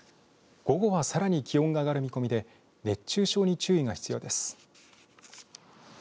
午後はさらに気温が上がる見込みで熱中症に注意が必要です。